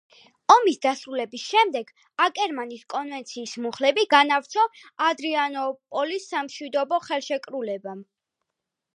ომის დასრულების შემდეგ აკერმანის კონვენციის მუხლები განავრცო ადრიანოპოლის სამშვიდობო ხელშეკრულებამ.